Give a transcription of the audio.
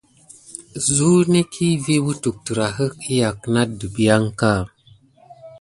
Zunekiy vi wutu terake léklole nata dimpiaka.